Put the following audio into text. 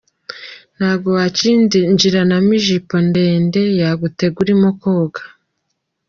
Ntabwo wakinjiranamo ijipo ndende yagutega urimo koga.